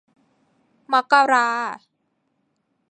มกรา